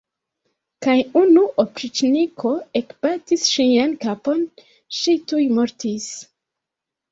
Kaj unu opriĉniko ekbatis ŝian kapon, ŝi tuj mortis!